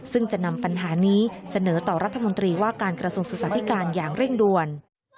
ซึ่งจะนำปัญหานี้เสนอต่อรัฐมนตรีว่าการกระทรวงศึกษาธิการอย่างเร่งด่วน